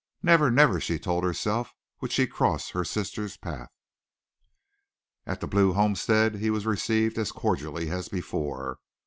Never, never, she told herself, would she cross her sister's path. At the Blue homestead he was received as cordially as before.